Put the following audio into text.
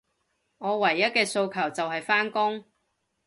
我唯一嘅訴求，就係返工